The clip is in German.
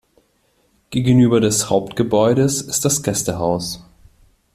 Gegenüber des Hauptgebäudes ist das Gästehaus.